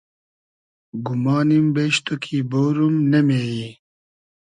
گومانیم بیش تو کی بۉروم ، نۂ مې یی